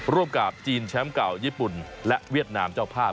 ร่วมกับจีนแชมป์เก่าญี่ปุ่นและเวียดนามเจ้าภาพ